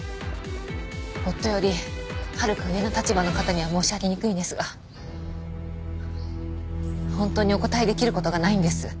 夫よりはるか上の立場の方には申し上げにくいんですが本当にお答えできる事がないんです。